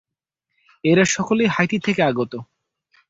এরা সকলেই হাইতি থেকে আগত।